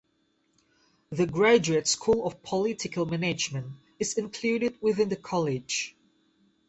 The Graduate School of Political Management is included within the college.